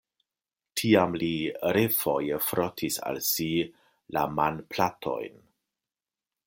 Tiam li refoje frotis al si la manplatojn.